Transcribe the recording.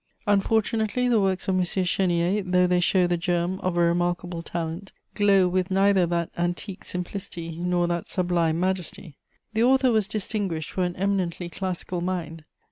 "Unfortunately, the works of M. Chénier, though they show the germ of a remarkable talent, glow with neither that antique simplicity nor that sublime majesty. The author was distinguished for an eminently classical mind.